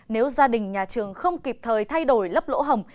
nếu gia đình nhà trường không kịp thời thay đổi lớp lỗ hồng